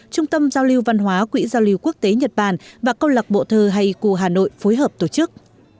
trung tâm giao lưu văn hóa quỹ giao lưu quốc tế nhật bản và công lạc bộ thơ haiku hà nội phối hợp tổ chức